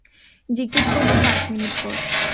জিজ্ঞেস করবো পাঁচ মিনিট পর।